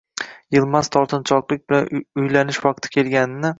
Yilmaz tortinchoqlik bilan uylanish vaqti kelganini